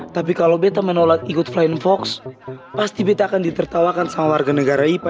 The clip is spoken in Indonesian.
tapi kalau beta menolak ikut flying fox pasti beta akan ditertawakan sama warga negara ipa